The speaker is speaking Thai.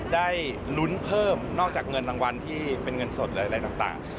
ได้ลุ้นเพิ่มนอกจากเงินรางวัลที่เป็นเงินสดหรืออะไรต่าง